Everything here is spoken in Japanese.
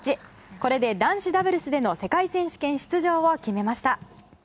これで男子ダブルスでの世界選手権出場を決めました。